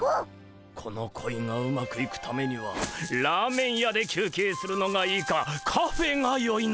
この恋がうまくいくためにはラーメン屋で休憩するのがいいかカフェがよいのか。